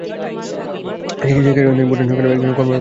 সেখানে তিনি ভুটান সরকারের একজন কর্মকর্তা হিসেবে কাজ করেছিলেন।